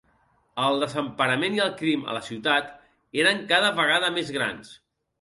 El desemparament i el crim a la ciutat eren cada vegada més grans.